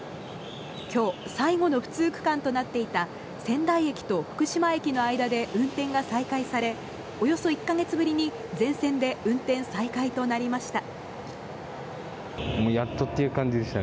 今日最後の不通区間となっていた仙台駅と福島駅の間で運転が再開されおよそ１カ月ぶりに全線で運転再開となりました。